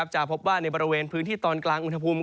จะพบว่าในบริเวณพื้นที่ตอนกลางอุณหภูมิ